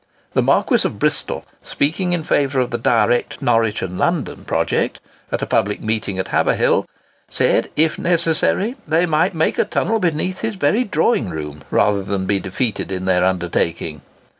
The Marquis of Bristol, speaking in favour of the "Direct Norwich and London" project, at a public meeting at Haverhill, said, "If necessary, they might make a tunnel beneath his very drawing room, rather than be defeated in their undertaking!"